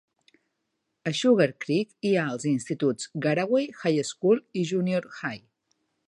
A Sugarcreek hi ha els instituts Garaway High School i Junior High.